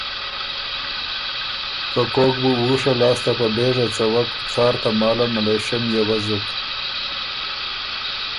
که کوک بُو وُوشه لاسته په بېژه څوک، څار تماله ملېشۀ نيې وزُک۔